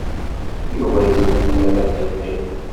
Yuba yesmenyaf ad yeqqim.